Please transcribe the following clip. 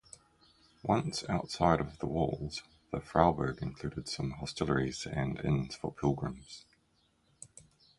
Once outside-of-the-walls, the faubourg included some hostelries and inns for pilgrims.